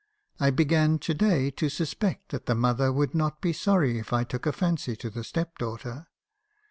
I began to day to suspect that the mother would not be sorry if I took a fancy to the step daughter.